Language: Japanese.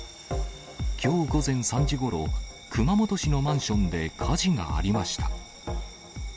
きょう午前３時ごろ、熊本市のマンションで火事がありました。